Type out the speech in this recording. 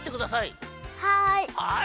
はい。